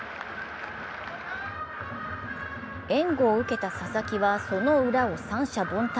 援護を受けた佐々木はそのウラを三者凡退。